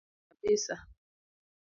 Amor kabisa